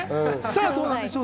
どうなんでしょう。